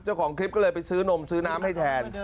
เจ้าของคลิปก็เลยไปซื้อนมซื้อน้ำให้แทน